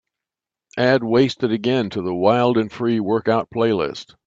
Add wastedagain to the wild & free workout playlist